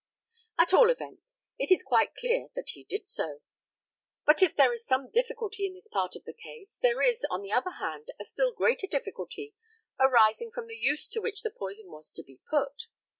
At all events, it is quite clear that he did so. But if there is some difficulty in this part of the case, there is, on the other hand, a still greater difficulty arising from the use to which this poison was to be put.